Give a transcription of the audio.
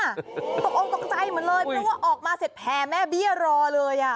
ตกองตกใจเหมือนเลยเหมือนว่าออกมาเสร็จแผลแม่เบี้ยรอเลยอ่ะ